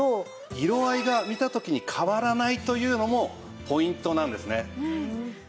色合いが見た時に変わらないというのもポイントなんですね。